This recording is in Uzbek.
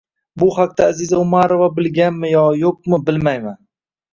Bu haqda Aziza Umarova bilganmi yoki yo'qmi, bilmayman